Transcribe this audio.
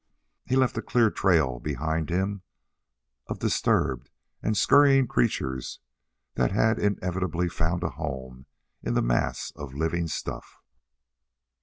He left a clear trail behind him of disturbed and scurrying creatures that had inevitably found a home in the mass of living stuff.